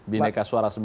bineka suara sembilan